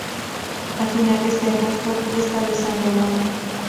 A finales de agosto, fiestas de San Ramón.